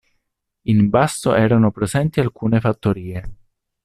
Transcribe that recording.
In basso erano presenti alcune fattorie.